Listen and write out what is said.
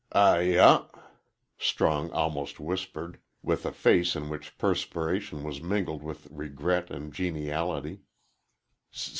"Ay ah," Strong almost whispered, with a face in which perspiration was mingled with regret and geniality.